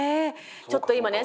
ちょっと今ね